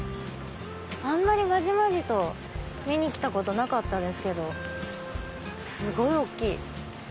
あんまりまじまじと見に来たことなかったですけどすごい大っきい！